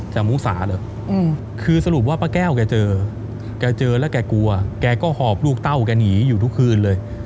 มูสาเหรอคือสรุปว่าป้าแก้วแกเจอแกเจอแล้วแกกลัวแกก็หอบลูกเต้าแกหนีอยู่ทุกคืนเลย